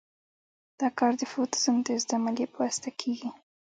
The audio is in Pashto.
دا کار د فوتو سنتیز د عملیې په واسطه کیږي.